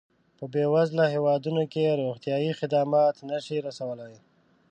په بېوزله هېوادونو کې روغتیایي خدمات نه شي رسولای.